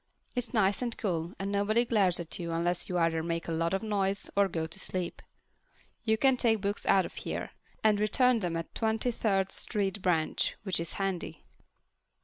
It's nice and cool, and nobody glares at you unless you either make a lot of noise or go to sleep. I can take books out of here and return them at the Twenty third Street branch, which is handy.